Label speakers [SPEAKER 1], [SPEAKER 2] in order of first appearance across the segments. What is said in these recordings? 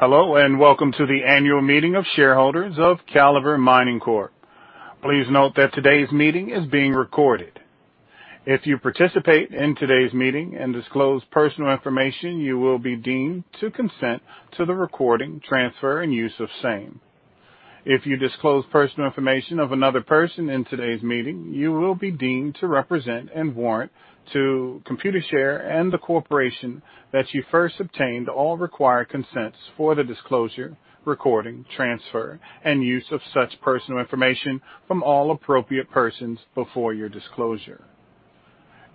[SPEAKER 1] Hello, and welcome to the annual meeting of shareholders of Calibre Mining Corp. Please note that today's meeting is being recorded. If you participate in today's meeting and disclose personal information, you will be deemed to consent to the recording, transfer, and use of same. If you disclose personal information of another person in today's meeting, you will be deemed to represent and warrant to Computershare and the corporation that you first obtained all required consents for the disclosure, recording, transfer, and use of such personal information from all appropriate persons before your disclosure.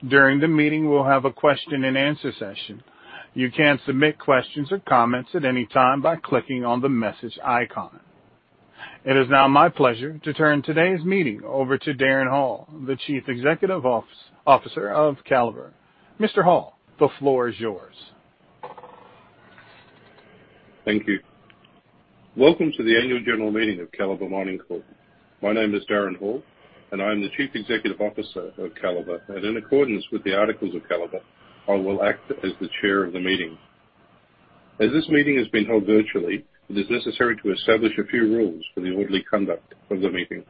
[SPEAKER 1] During the meeting, we'll have a question-and-answer session. You can submit questions or comments at any time by clicking on the message icon. It is now my pleasure to turn today's meeting over to Darren Hall, the Chief Executive Officer of Calibre. Mr. Hall, the floor is yours.
[SPEAKER 2] Thank you. Welcome to the annual general meeting of Calibre Mining Corp. My name is Darren Hall and I'm the Chief Executive Officer of Calibre. In accordance with the articles of Calibre, I will act as the chair of the meeting. As this meeting has been held virtually, it is necessary to establish a few rules for the orderly conduct of the meeting.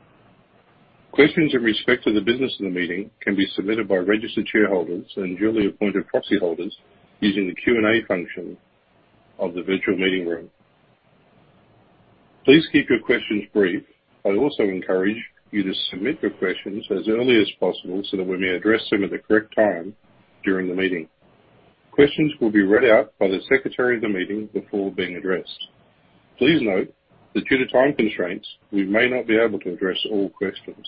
[SPEAKER 2] Questions in respect to the business of the meeting can be submitted by registered shareholders and duly appointed proxyholders using the Q&A function of the virtual meeting room. Please keep your questions brief. I also encourage you to submit your questions as early as possible so that we may address them at the correct time during the meeting. Questions will be read out by the secretary of the meeting before being addressed. Please note that due to time constraints, we may not be able to address all questions.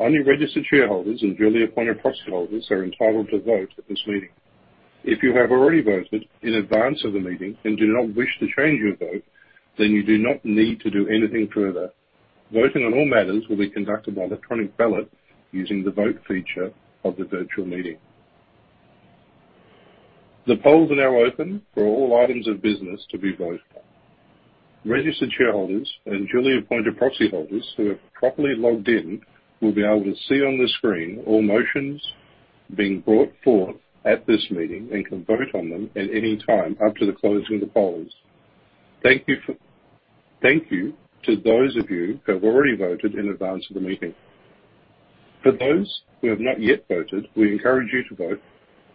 [SPEAKER 2] Only registered shareholders and duly appointed proxyholders are entitled to vote at this meeting. If you have already voted in advance of the meeting and do not wish to change your vote, then you do not need to do anything further. Voting on all matters will be conducted by electronic ballot using the vote feature of the virtual meeting. The polls are now open for all items of business to be voted on. Registered shareholders and duly appointed proxyholders who have properly logged in will be able to see on the screen all motions being brought forth at this meeting and can vote on them at any time up to the closing of the polls. Thank you to those of you who have already voted in advance of the meeting. For those who have not yet voted, we encourage you to vote.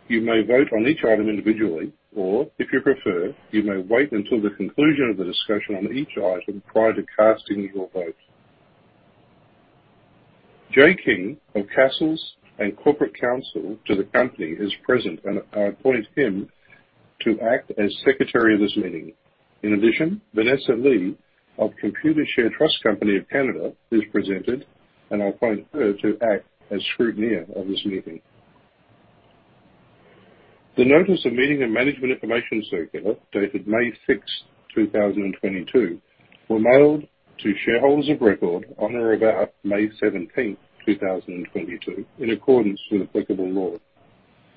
[SPEAKER 2] You may vote on each item individually, or if you prefer, you may wait until the conclusion of the discussion on each item prior to casting your vote. Jay King of Cassels Brock & Blackwell LLP and Corporate Counsel to the company is present, and I appoint him to act as Secretary of this meeting. In addition, Vanessa Lee of Computershare Trust Company of Canada is present, and I appoint her to act as scrutineer of this meeting. The Notice of Meeting and Management Information Circular, dated May 6th, 2022, were mailed to shareholders of record on or about May 17th, 2022, in accordance with applicable law.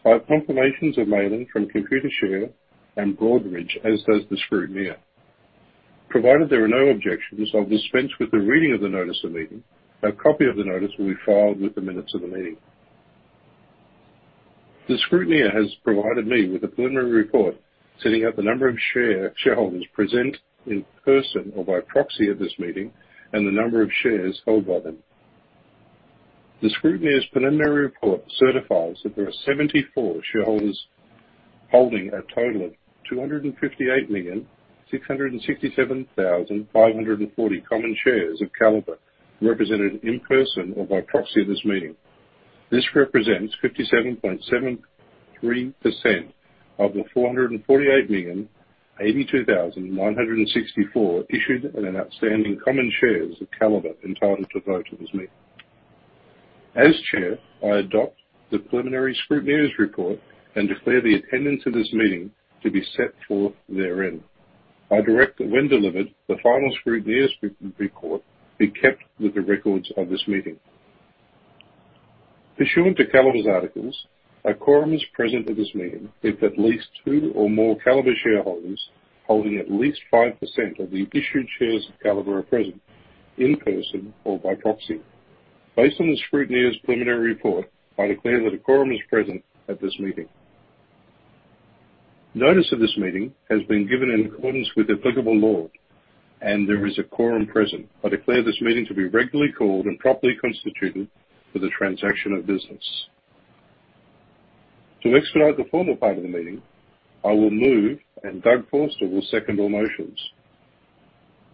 [SPEAKER 2] I have confirmations of mailing from Computershare and Broadridge, as does the scrutineer. Provided there are no objections, I'll dispense with the reading of the notice of meeting. A copy of the notice will be filed with the minutes of the meeting. The scrutineer has provided me with a preliminary report setting out the number of shareholders present in person or by proxy at this meeting, and the number of shares held by them. The scrutineer's preliminary report certifies that there are 74 shareholders holding a total of 258,667,540 common shares of Calibre represented in person or by proxy at this meeting. This represents 57.73% of the 448,082,964 issued and outstanding common shares of Calibre entitled to vote at this meeting. As chair, I adopt the preliminary scrutineer's report and declare the attendance of this meeting to be set forth therein. I direct that when delivered, the final scrutineer's report be kept with the records of this meeting. Pursuant to Calibre's articles, a quorum is present at this meeting with at least two or more Calibre shareholders holding at least 5% of the issued shares of Calibre are present in person or by proxy. Based on the scrutineer's preliminary report, I declare that a quorum is present at this meeting. Notice of this meeting has been given in accordance with applicable law, and there is a quorum present. I declare this meeting to be regularly called and properly constituted for the transaction of business. To expedite the formal part of the meeting, I will move, and Doug Forster will second all motions.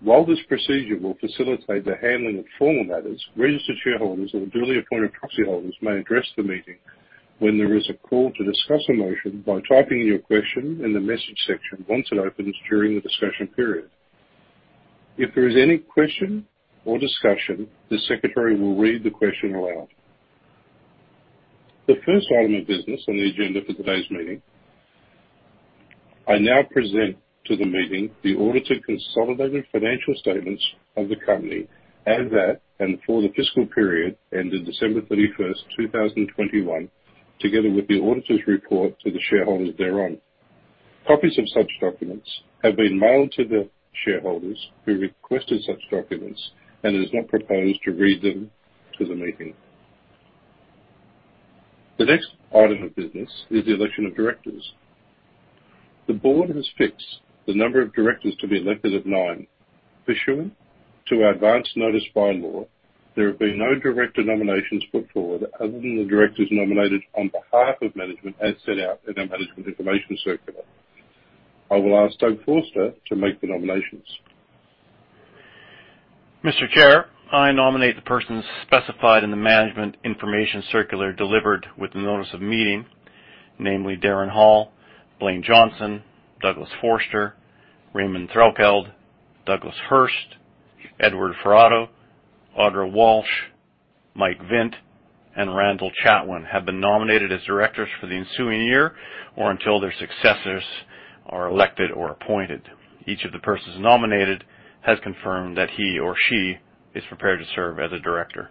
[SPEAKER 2] While this procedure will facilitate the handling of formal matters, registered shareholders or duly appointed proxyholders may address the meeting when there is a call to discuss a motion by typing your question in the message section once it opens during the discussion period. If there is any question or discussion, the secretary will read the question aloud. The first item of business on the agenda for today's meeting. I now present to the meeting the audited consolidated financial statements of the company and for the fiscal period ending December 31, 2021, together with the auditor's report to the shareholders thereon. Copies of such documents have been mailed to the shareholders who requested such documents, and it is not proposed to read them to the meeting. The next item of business is the election of directors. The board has fixed the number of directors to be elected of nine. Pursuant to our advance notice by-law, there have been no director nominations put forward other than the directors nominated on behalf of management as set out in our management information circular. I will ask Doug Forster to make the nominations.
[SPEAKER 3] Mr. Chair, I nominate the persons specified in the management information circular delivered with the notice of meeting, namely Darren Hall, Blayne Johnson, Douglas Forster, Raymond Threlkeld, Douglas Hurst, Edward Farrauto, Audra Walsh, Mike Vint, and Randall Chatwin have been nominated as directors for the ensuing year or until their successors are elected or appointed. Each of the persons nominated has confirmed that he or she is prepared to serve as a director.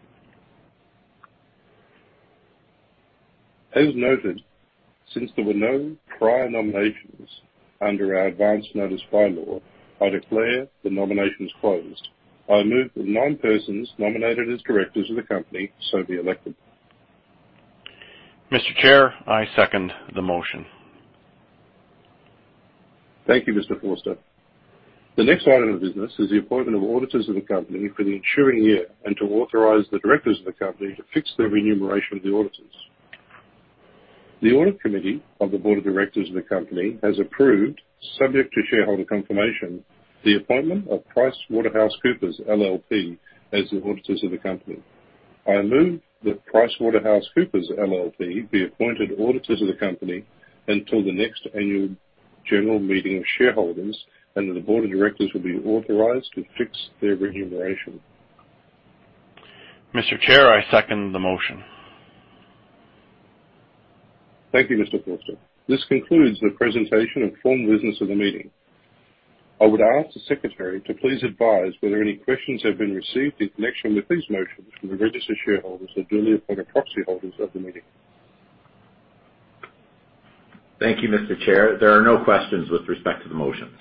[SPEAKER 2] As noted, since there were no prior nominations under our advance notice by-law, I declare the nominations closed. I move that the nine persons nominated as directors of the company so be elected.
[SPEAKER 3] Mr. Chair, I second the motion.
[SPEAKER 2] Thank you, Mr. Forster. The next item of business is the appointment of auditors of the company for the ensuing year and to authorize the directors of the company to fix the remuneration of the auditors. The audit committee of the board of directors of the company has approved, subject to shareholder confirmation, the appointment of PricewaterhouseCoopers LLP as the auditors of the company. I move that PricewaterhouseCoopers LLP be appointed auditors of the company until the next annual general meeting of shareholders and that the board of directors will be authorized to fix their remuneration.
[SPEAKER 3] Mr. Chair, I second the motion.
[SPEAKER 2] Thank you, Mr. Forster. This concludes the presentation of formal business of the meeting. I would ask the secretary to please advise whether any questions have been received in connection with these motions from the registered shareholders or duly appointed proxy holders of the meeting.
[SPEAKER 4] Thank you, Mr. Chair. There are no questions with respect to the motions.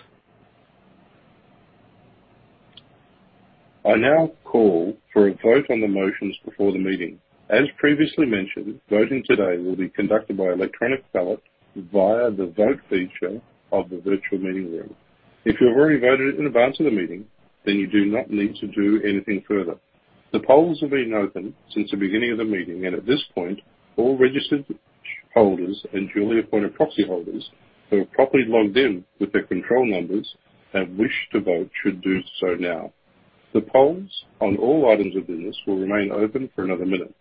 [SPEAKER 2] I now call for a vote on the motions before the meeting. As previously mentioned, voting today will be conducted by electronic ballot via the Vote feature of the virtual meeting room. If you have already voted in advance of the meeting, then you do not need to do anything further. The polls have been open since the beginning of the meeting, and at this point, all registered holders and duly appointed proxy holders who have properly logged in with their control numbers and wish to vote should do so now. The polls on all items of business will remain open for another minute.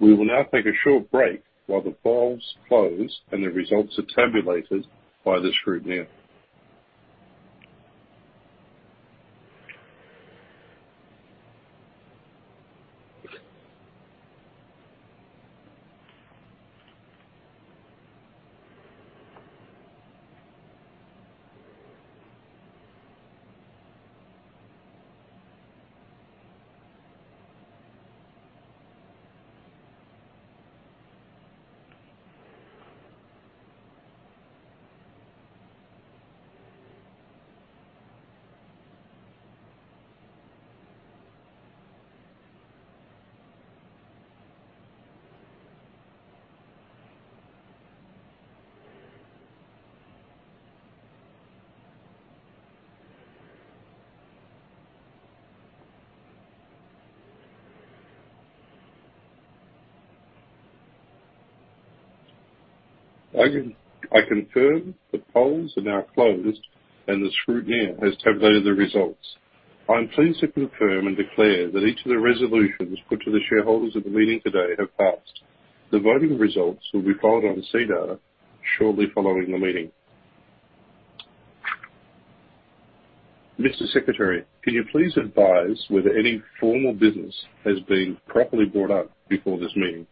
[SPEAKER 2] We will now take a short break while the polls close and the results are tabulated by the scrutineer. I confirm the polls are now closed and the scrutineer has tabulated the results. I'm pleased to confirm and declare that each of the resolutions put to the shareholders at the meeting today have passed. The voting results will be filed on SEDAR shortly following the meeting. Mr. Secretary, can you please advise whether any formal business has been properly brought up before this meeting?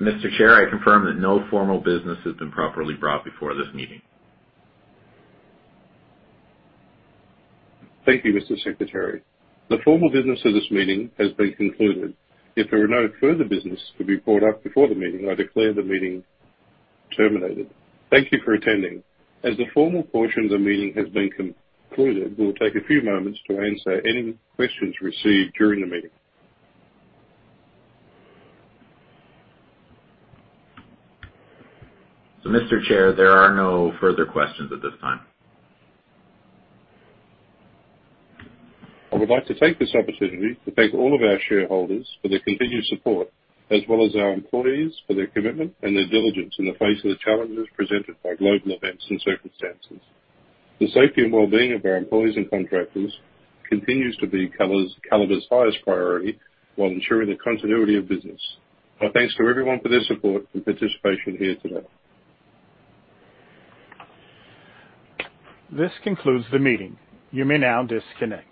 [SPEAKER 4] Mr. Chair, I confirm that no formal business has been properly brought before this meeting.
[SPEAKER 2] Thank you, Mr. Secretary. The formal business of this meeting has been concluded. If there are no further business to be brought up before the meeting, I declare the meeting terminated. Thank you for attending. As the formal portion of the meeting has been concluded, we will take a few moments to answer any questions received during the meeting.
[SPEAKER 4] Mr. Chair, there are no further questions at this time.
[SPEAKER 2] I would like to take this opportunity to thank all of our shareholders for their continued support, as well as our employees for their commitment and their diligence in the face of the challenges presented by global events and circumstances. The safety and well-being of our employees and contractors continues to be Calibre's highest priority while ensuring the continuity of business. Our thanks to everyone for their support and participation here today.
[SPEAKER 1] This concludes the meeting. You may now disconnect.